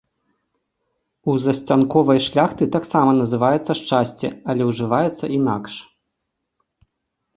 У засцянковай шляхты таксама называецца шчасце, але ўжываецца інакш.